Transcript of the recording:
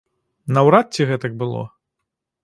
Наўрад ці гэтак было.